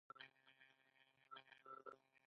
دا د سقوط نښه ده.